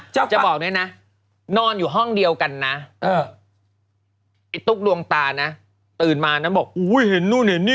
จะบอกด้วยนะนอนอยู่ห้องเดียวกันนะไอ้ตุ๊กดวงตานะตื่นมานะบอกอุ้ยเห็นนู่นเห็นนี่